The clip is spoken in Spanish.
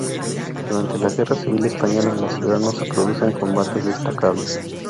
Durante la Guerra Civil Española en la ciudad no se producen combates destacables.